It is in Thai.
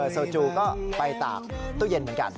โซจูก็ไปตากตู้เย็นเหมือนกัน